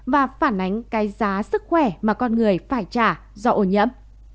và phản ánh cái giá sức khỏe mà con người phải trả do ô nhiễm